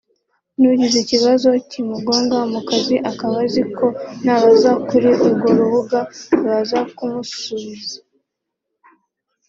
nugize ikibazo kimugonga mu kazi akaba azi ko nabaza kuri urwo rubuga bazamukusubiza